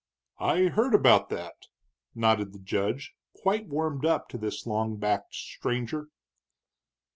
"I heard about that," nodded the judge, quite warmed up to this long backed stranger.